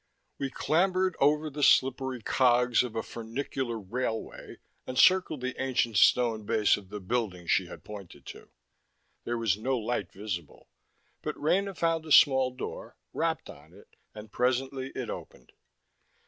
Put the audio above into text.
We clambered over the slippery cogs of a funicular railway and circled the ancient stone base of the building she had pointed to. There was no light visible; but Rena found a small door, rapped on it and presently it opened.